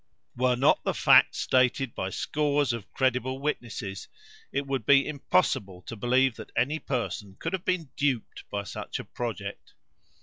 Were not the fact stated by scores of credible witnesses, it would be impossible to believe that any person could have been duped by such a project.